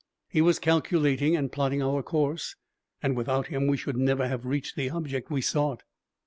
He was calculating and plotting our course and, without him, we should never have reached the object we sought.